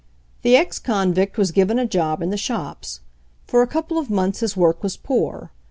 The ex convict was given a job in the shops. For a couple of months his work was poor.